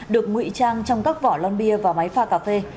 được ngụy trang trong các vỏ lon bia và máy pha cà phê